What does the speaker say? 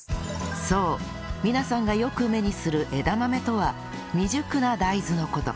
そう皆さんがよく目にする枝豆とは未熟な大豆の事